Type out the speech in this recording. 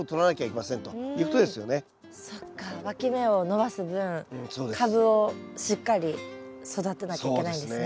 わき芽を伸ばす分株をしっかり育てなきゃいけないんですね。